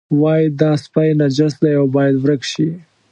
وایي دا سپی نجس دی او باید ورک شي.